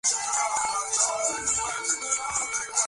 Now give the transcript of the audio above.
তিনি ঢাকার মুহসিনিয়া মাদ্রাসায় ভর্তি হন।